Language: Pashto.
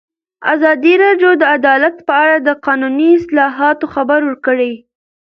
ازادي راډیو د عدالت په اړه د قانوني اصلاحاتو خبر ورکړی.